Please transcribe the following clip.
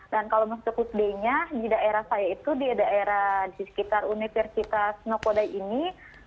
dan kalau misalnya di daerah saya itu di daerah di sekitar universitas nogoda ini